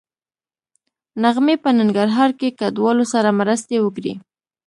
نغمې په ننګرهار کې کډوالو سره مرستې وکړې